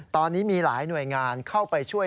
ตอนนี้มีหลายหน่วยงานเข้าไปช่วย